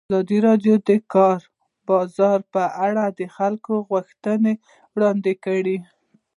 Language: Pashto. ازادي راډیو د د کار بازار لپاره د خلکو غوښتنې وړاندې کړي.